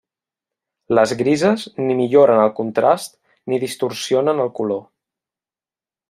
Les grises ni milloren el contrast ni distorsionen el color.